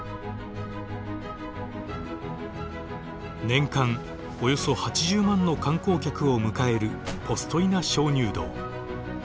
年間およそ８０万の観光客を迎えるポストイナ鍾乳洞。